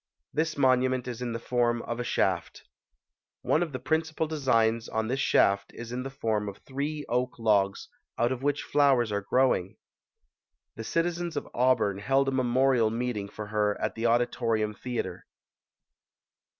This monument is in the form of a shaft. One of the principal designs on this shaft is in the form of three oak logs out of which flowers are growing. The citizens of Auburn held a memorial meet ing for her at the Auditorium Theatre.